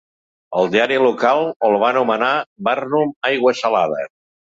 El diari local el va anomenar "Barnum aigua salada".